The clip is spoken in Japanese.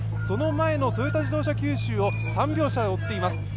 その前のトヨタ自動車九州を３秒差で追っています。